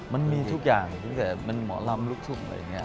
มันมีทุกอย่างตั้งแต่มันหมอลำลูกทุ่งอะไรอย่างนี้